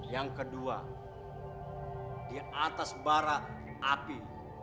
yang kedua di atas bara api